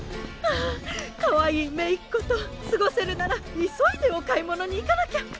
あかわいいめいっ子と過ごせるなら急いでお買い物に行かなきゃ。